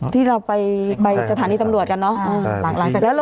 ที่เราไปสถานีตำรวจกันเนอะ